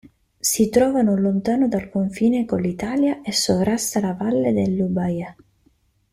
Si trova non lontano dal confine con l'Italia e sovrasta la Valle dell'Ubaye.